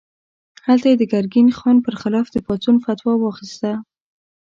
هلته یې د ګرګین خان پر خلاف د پاڅون فتوا واخیسته.